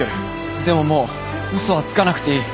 でももう嘘はつかなくていい。